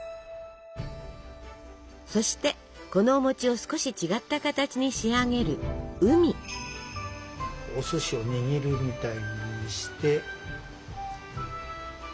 そしてこのお餅を少し違った形に仕上げるお寿司を握るみたいにして。